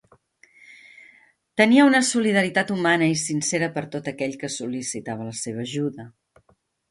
Tenia una solidaritat humana i sincera per tot aquell que sol·licitava la seva ajuda.